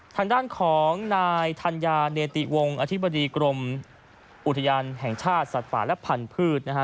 ทางด้านของนายธัญญาเนติวงอธิบดีกรมอุทยานแห่งชาติสัตว์ป่าและพันธุ์นะฮะ